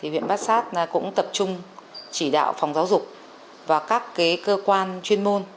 huyện bát sát cũng tập trung chỉ đạo phòng giáo dục và các cơ quan chuyên môn